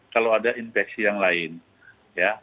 kalau ada infeksi yang lain ya